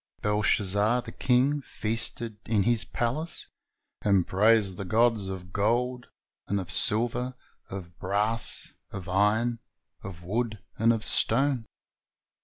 Belshazzar the king "feasted in his palace," and "praised the gods of gold, and of silver, of brass, of iron, of wood, and of stone."